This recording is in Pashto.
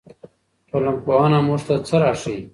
ټولنپوهنه موږ ته څه راښيي؟